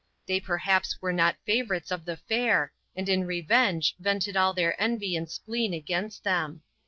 They perhaps were not favorites of the fair, and in revenge vented all their envy and spleen against them.